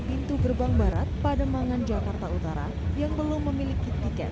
pintu gerbang barat pademangan jakarta utara yang belum memiliki tiket